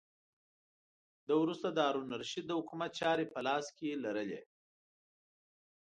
ده وروسته د هارون الرشید د حکومت چارې په لاس کې لرلې.